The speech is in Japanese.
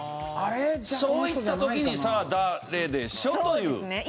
そういった時にさあ誰でしょう？という。